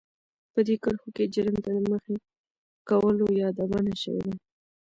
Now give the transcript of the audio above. په دې کرښو کې جرم ته د مخې کولو يادونه شوې ده.